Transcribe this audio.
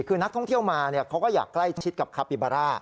คือนักท่องเที่ยวมาเขาก็อยากใกล้ชิดกับคาปิบาร่า